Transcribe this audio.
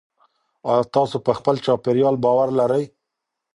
آيا تاسو په خپل چاپېريال باور لرئ؟